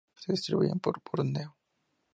Se distribuye por Borneo.